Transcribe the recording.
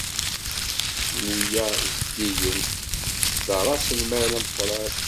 Nneyya zeddigen d ṛaselmal ameqran.